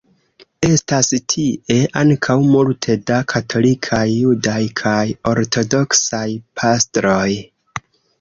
Estas tie ankaŭ multe da katolikaj, judaj kaj ortodoksaj pastroj.